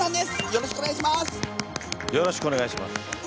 よろしくお願いします。